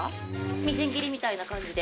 みじん切りみたいな感じで。